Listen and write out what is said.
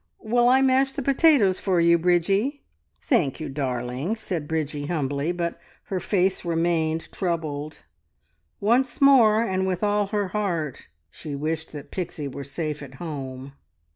Will I mash the potatoes for you, Bridgie?" "Thank you, darling," said Bridgie humbly, but her face remained troubled. Once more, and with all her heart, she wished that Pixie were safe at home.